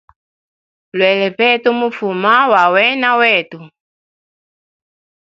Lwela pe tu mufuma wa wena wetu.